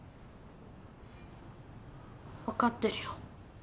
分かってるよ。